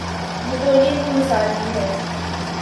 نپولین کی مثال بھی ہے۔